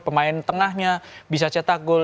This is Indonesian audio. pemain tengahnya bisa cetak gol